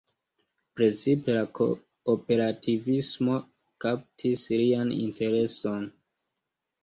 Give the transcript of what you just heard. Precipe la kooperativismo kaptis lian intereson.